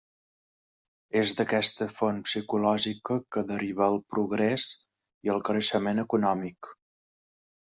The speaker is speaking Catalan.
És d'aquesta font psicològica que deriva el progrés i el creixement econòmic.